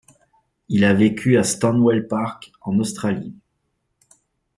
Il a vécu à Stanwell Park en Australie.